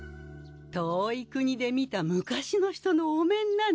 遠い国で見た昔の人のお面なの。